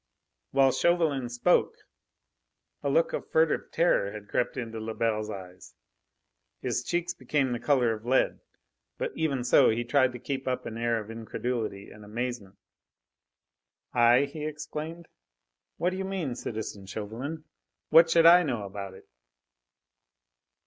While Chauvelin spoke, a look of furtive terror had crept into Lebel's eyes; his cheeks became the colour of lead. But even so, he tried to keep up an air of incredulity and of amazement. "I?" he exclaimed. "What do you mean, citizen Chauvelin? What should I know about it?"